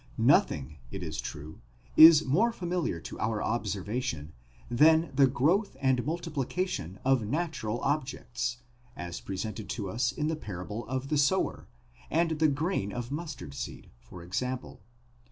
No thing, it is true, is more familiar to our observation than the growth and multi plication of natural objects, as presented to us in the parable of the sower, and the grain of mustard seed, for example.